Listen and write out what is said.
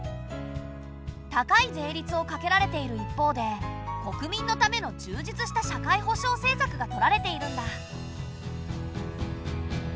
高い税率をかけられている一方で国民のための充実した社会保障政策がとられているんだ。